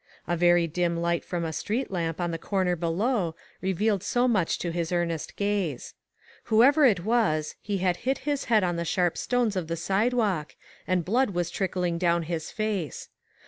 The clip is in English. A very dim light from a street lamp on the corner below, revealed so much to his earnest gaze. Whoever it was, he had hit his head on the sharp stones of the side walk, and blood was trickling down his face.